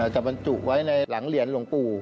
จำเป็นจุไว้ในหลังเหรียญหลงปู